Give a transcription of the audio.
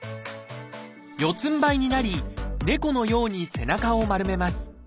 四つんばいになり猫のように背中を丸めます。